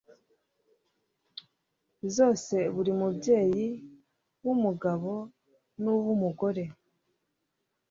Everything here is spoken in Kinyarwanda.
zose Buri mubyeyi wumugabo nuwumugore